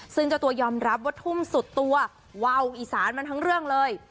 ซึ่งเจ้าตัวยอมรับว่าทุ่มสุดตัววาวอีสานมันทั้งเรื่องเลย